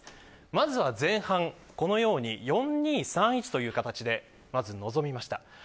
まずは、前半このように４‐２‐３‐１という形で臨みました。